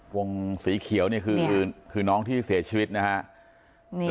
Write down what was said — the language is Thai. วงสีเขียวนี่คือน้องที่เสียชีวิตนะฮะ